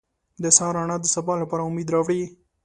• د سهار رڼا د سبا لپاره امید راوړي.